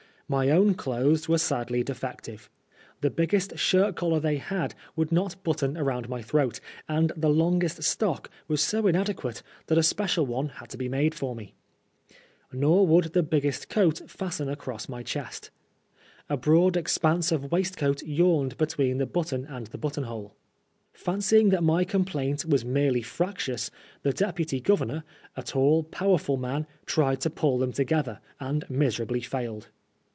My own clothes were sadly defective. The biggest shirt collar they had would not button round my throat, and the longest stock was so inadequate that a special one had to be made forme. Nor would the biggest coat fasten across my chest. A broad expanse of waistcoat yawned between the button and the button hole. Fancying that my complaint was merely fractious, the Deputy Govemor — a tall, powerful man — ^tried to pull them together, and miserably failed.